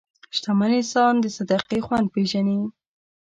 شتمن انسان د صدقې خوند پېژني.